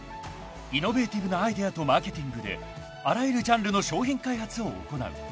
［イノベーティブなアイデアとマーケティングであらゆるジャンルの商品開発を行う］